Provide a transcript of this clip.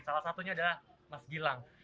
salah satunya adalah mas gilang